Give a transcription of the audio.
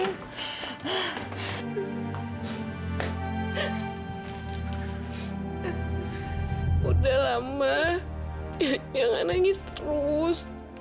sudah lama ya nangis terus